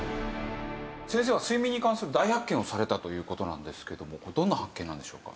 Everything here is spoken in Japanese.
先生は睡眠に関する大発見をされたという事なんですけどもどんな発見なんでしょうか？